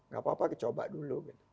gak apa apa coba dulu